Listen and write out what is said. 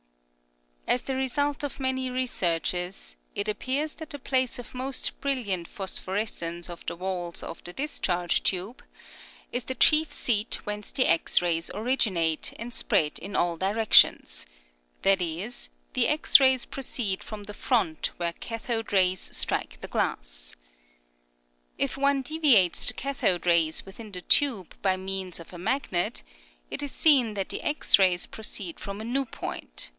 As the result of many researches, it appears that the place of most brilliant phosphorescence of the walls of the dis charge tube is the chief seat whence the X rays originate and spread in all direc tions ; that is, the X rays proceed from the front where cathode rays strike the glass. If one deviates the cathode rays within the tube by means of a magnet, it is seen that the X rays proceed from a new point, i.